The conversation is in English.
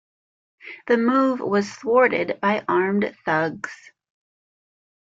The move was thwarted by armed thugs.